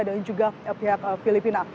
mereka juga bisa pergi ke filipina